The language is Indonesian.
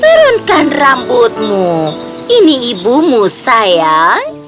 turunkan rambutmu ini ibumu sayang